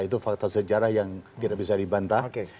itu fakta sejarah yang tidak bisa dibantah